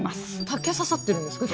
竹刺さってるんですか？